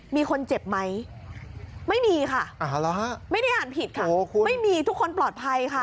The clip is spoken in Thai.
มีคนเจ็บไหมไม่มีค่ะไม่ได้อ่านผิดค่ะไม่มีทุกคนปลอดภัยค่ะ